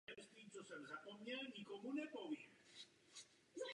Platformy pro spolupráci s černomořskými zeměmi už existují.